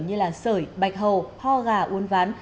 như là sởi bạch hầu ho gà uôn ván